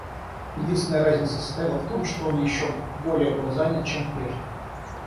Единственная разница состояла в том, что он еще более был занят, чем прежде.